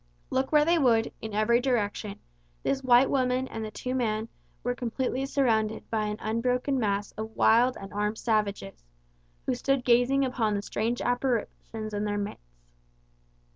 Look where they would, in every direction, this white woman and the two men were completely surrounded by an unbroken mass of wild and armed savages, who stood gazing upon the strange apparitions in their midst.